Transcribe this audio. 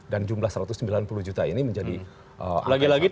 dan jumlah satu ratus sembilan puluh juta ini menjadi angka yang sangat besar